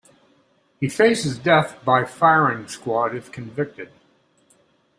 He faces death by firing squad if convicted.